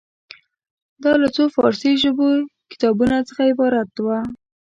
دا له څو فارسي ژبې کتابونو څخه عبارت وه.